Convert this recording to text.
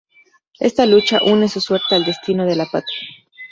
Esta lucha une su suerte al destino de la "Patria".